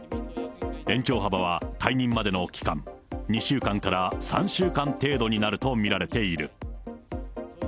延長幅は退任までの期間、２週間から３週間程度になると見られている。